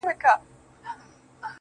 • وران خو وراني كيسې نه كوي.